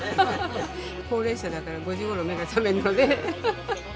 高齢者だから、５時ごろ目が覚めるので。